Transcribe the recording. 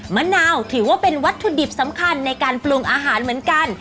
มะนาวถือว่าเป็นวัตถุดิบสำคัญในการปรุงอาหารเหมือนกัน